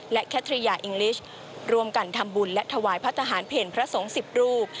และแคทริยาอิงลิชร่วมกันทำบุญและถวายพระทหารเพลพระสงฆ์๑๐รูป